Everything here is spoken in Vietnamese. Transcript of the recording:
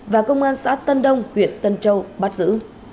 và công an xã tân đông huyện tân châu bắt giữ